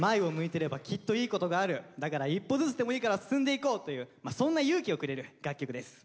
だから一歩ずつでもいいから進んでいこうというそんな勇気をくれる楽曲です。